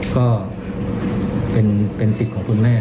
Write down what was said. ก็เป็นสิทธิ์ของคุณแม่